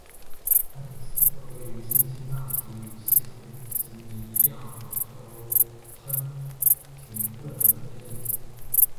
曼彻斯特位于辛辛那提与西弗吉尼亚州亨廷顿的中间点。